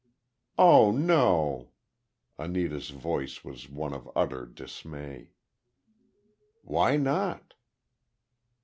"Oh, no!" Anita's voice was one of utter dismay. "Why not?"